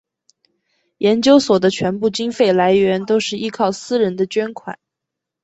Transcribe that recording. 研究所的全部经费来源都是依靠私人的捐款。